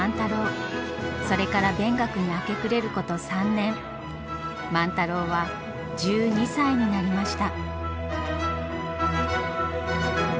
それから勉学に明け暮れること３年万太郎は１２歳になりました。